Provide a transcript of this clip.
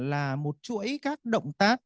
là một chuỗi các động tác